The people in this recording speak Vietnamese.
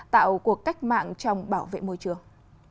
tạo cuộc cách mạng trong bảo vệ môi trường